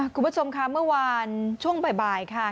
คุณผู้ชมค่ะเมื่อวานช่วงบ่ายค่ะ